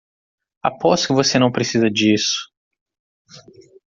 Aposto que você não precisa disso.